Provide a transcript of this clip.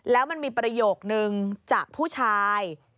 แล้วมันมีประโยคนึงจากผู้ชาย